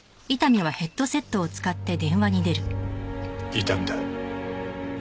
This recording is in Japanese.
伊丹だ。